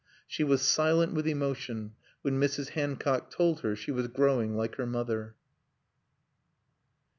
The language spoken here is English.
She was silent with emotion when Mrs. Hancock told her she was growing like her mother.